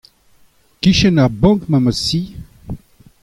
E-kichen ar bank emañ ma zi.